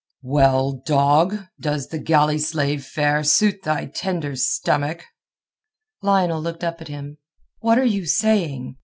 "Well, dog? How does galley slave fare suit thy tender stomach?" Lionel looked up at him. "What are you saying?"